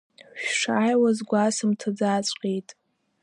Шәшааиуаз гәасымҭаӡаҵәҟьеит.